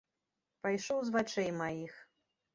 Пайшоў з вачэй маіх.